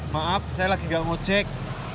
maaf saya lagi gak mau cek